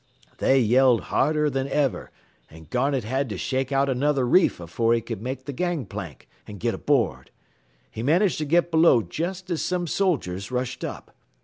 They yelled harder than ever, an' Garnett had to shake out another reef afore he could make th' gang plank, an' get aboard. He managed to get below jest as some soldiers rushed up.